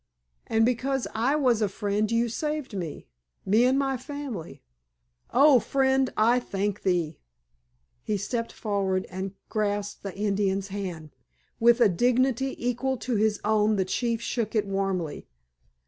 "And because I was a Friend you saved me—me and my family! Oh, Friend, I thank thee!" He stepped forward and grasped the Indian's hand. With a dignity equal to his own the chief shook it warmly.